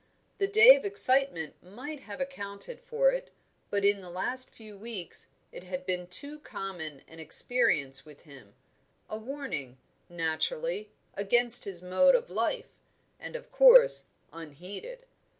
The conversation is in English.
The day of excitement might have accounted for it, but in the last few weeks it had been too common an experience with him, a warning, naturally, against his mode of life, and of course unheeded.